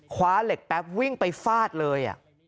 คว้าเหล็กแป๊บวิ่งไปฟาดเลย